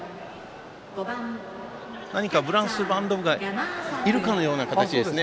何かブラスバンド部がいるかというような形ですね。